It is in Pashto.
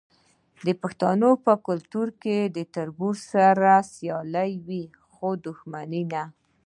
د پښتنو په کلتور کې د تربور سره سیالي وي خو دښمني نه.